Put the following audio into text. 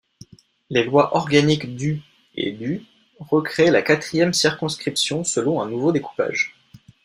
Les lois organiques du et du recréent la quatrième circonscription selon un nouveau découpage.